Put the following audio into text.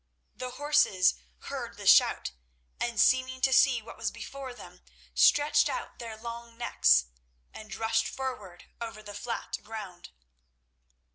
The horses heard the shout, and seeming to see what was before them, stretched out their long necks and rushed forward over the flat ground.